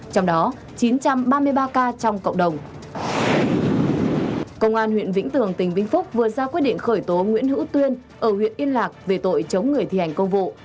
công an huyện vĩnh tường tỉnh vĩnh phúc vừa ra quyết định khởi tố nguyễn hữu tuyên ở huyện yên lạc về tội chống người thi hành công vụ